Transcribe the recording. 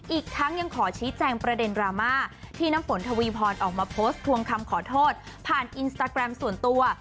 อีกทั้งยังขอชี้แจงประเด็นดราม่าที่น้ำฝนทวีพรออกมาโพสต์ทวงคำขอโทษผ่านอินสตาแกรมส่วนตัว